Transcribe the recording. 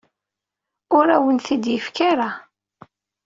Ur awen-tent-id-yefki ara.